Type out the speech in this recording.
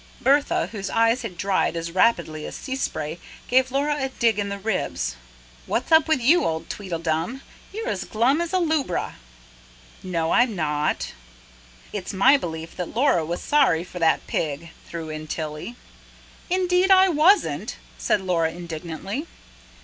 Bertha, whose tears had dried as rapidly as sea spray, gave Laura a dig in the ribs. "What's up with you, old Tweedledum? You're as glum as a lubra." "No, I'm not." "It's my belief that Laura was sorry for that pig," threw in Tilly. "Indeed I wasn't!" said Laura indignantly.